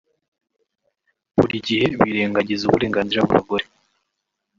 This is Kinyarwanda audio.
buri gihe birengagiza uburenganzira bw’abagore